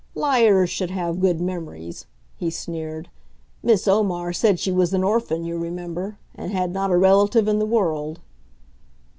"Liars should have good memories," he sneered. "Miss Omar said she was an orphan, you remember, and had not a relative in the world."